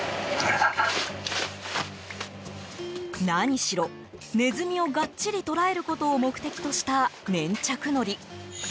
何しろ、ネズミをがっちりとらえることを目的とした粘着のり。